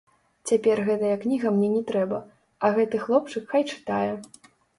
Цяпер гэтая кніга мне не трэба, а гэты хлопчык хай чытае.